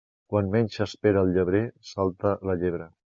Quan menys s'espera el llebrer, salta la llebre.